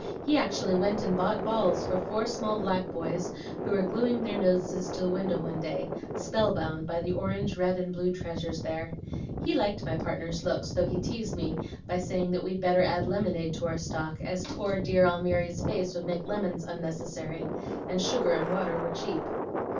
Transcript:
He actually went and bought balls for four small black boys who were gluing their noses to the window one day, spellbound by the orange, red, and blue treasures displayed there. He liked my partner's looks, though he teased me by saying that we'd better add lemonade to our stock, as poor, dear Almiry's acid face would make lemons unnecessary, and sugar and water were cheap.